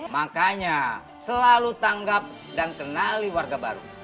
makanya selalu tanggap dan kenali warga baru